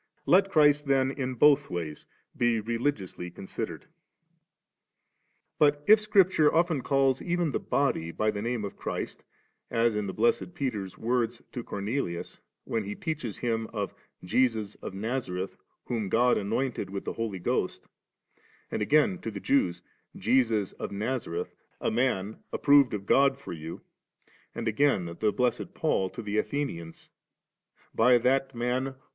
* Let Christ then in both ways be religiously considered. 35« But if Scripture often calls evai the body by tlie name of Christ, as in the blessed Peter's words to Cornelius, when he teaches him of 'Jesus of Nazareth, whom God anointed with the Holy Ghost,' and again to the Jewi^ ' Jesus of Nazareth, a Man approved of God for you',' and again the blessed P^ to the Athenians, 'By diat Man, whom He f Vid.